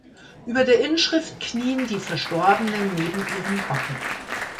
Über der Inschrift knien die Verstorbenen neben ihren Wappen.